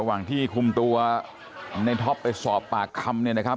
ระหว่างที่คุมตัวในท็อปไปสอบปากคำเนี่ยนะครับ